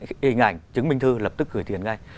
cái hình ảnh chứng minh thư lập tức gửi tiền ngay